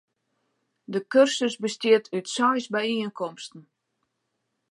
De kursus bestiet út seis byienkomsten.